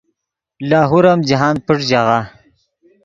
لاہور ام جاہند پݯ ژاغہ